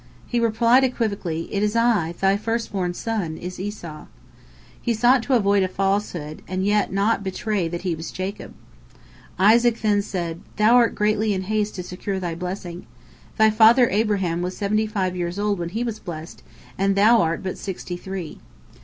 he replied equivocally, "It is I, thy first born son is Esau." He sought to avoid a falsehood, and yet not betray that he was Jacob. Isaac then said: "Thou art greatly in haste to secure thy blessing. Thy father Abraham was seventy five years old when he was blessed, and thou art but sixty three."